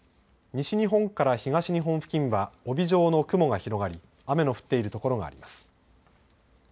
西日本から東日本付近は帯状の雲が広がり雨の降っている所があります。